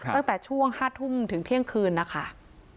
ตั้งแต่ช่วง๕ทุ่มถึงเที่ยงคืนนะคะ